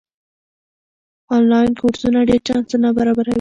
آنلاین کورسونه ډېر چانسونه برابروي.